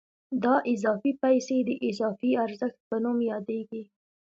دا اضافي پیسې د اضافي ارزښت په نوم یادېږي